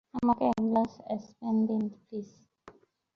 আমাকে এক glass champagne দিন, প্লিজ।